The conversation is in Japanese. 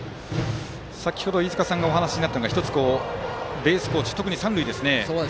先程、飯塚さんがお話しになったのがベースコーチ、特に三塁ですね。